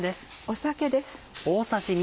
酒です。